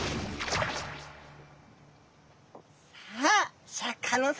さあシャーク香音さま